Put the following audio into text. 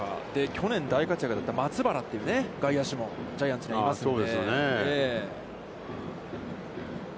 去年大活躍だった松原という選手もジャイアンツにはいますよね。